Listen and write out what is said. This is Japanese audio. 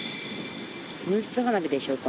噴出花火でしょうか。